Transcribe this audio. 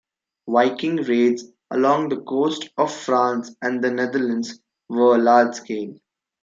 Viking raids along the coast of France and the Netherlands were large-scale.